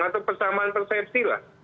atau persamaan persepsi lah